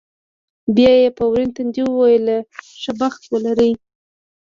بیا یې په ورین تندي وویل، ښه بخت ولرې.